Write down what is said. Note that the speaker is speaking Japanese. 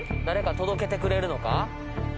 誰か届けてくれるのか？